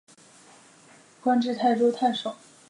官至泰州太守。